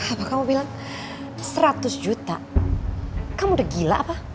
apa kamu bilang seratus juta kamu udah gila apa